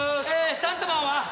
スタントマンは？